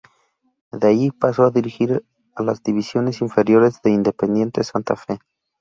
De allí, pasó a dirigir a las divisiones inferiores de Independiente Santa Fe.